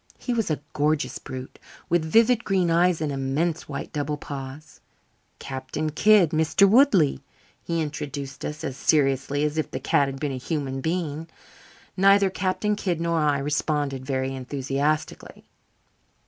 He was a gorgeous brute, with vivid green eyes, and immense white double paws. "Captain Kidd, Mr. Woodley." He introduced us as seriously as if the cat had been a human being. Neither Captain Kidd nor I responded very enthusiastically.